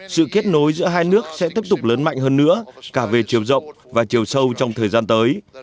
sự kết nối giữa hai nước sẽ tiếp tục lớn mạnh hơn nữa cả về chiều rộng và chiều sâu trong thời gian tới